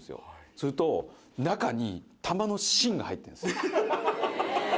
すると、中に球の芯が入ってるんです。